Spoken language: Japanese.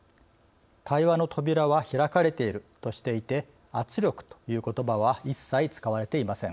対話の扉は開かれているとしていて圧力ということばは一切使われていません。